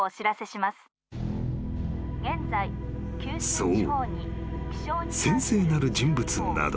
［そう］